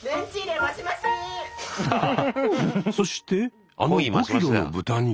そしてあの５キロの豚肉は？